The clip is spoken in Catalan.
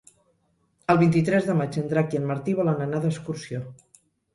El vint-i-tres de maig en Drac i en Martí volen anar d'excursió.